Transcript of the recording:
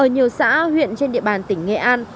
nhiều xã huyện trên địa bàn tỉnh nghệ an